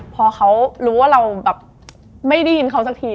พอเขารู้ว่าเราแบบไม่ได้ยินเขาสักที